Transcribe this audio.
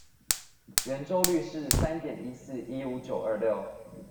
圓周率是三點一四一五九二六